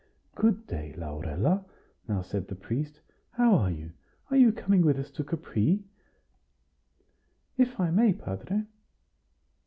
"Good day, Laurella!" now said the priest; "how are you? Are you coming with us to Capri?" "If I may, padre."